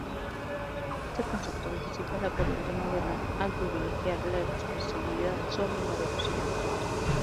Este concepto anticipa la corriente moderna al privilegiar la expresividad sobre la verosimilitud.